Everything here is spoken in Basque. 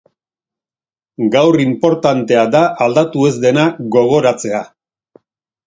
Gaur inportantea da aldatu ez dena gogoratzea.